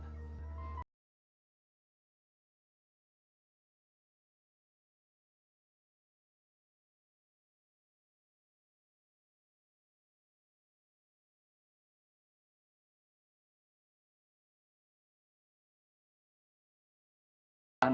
doakan saja bu hasan